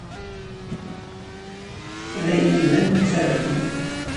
D ayen ibanen ad terfu.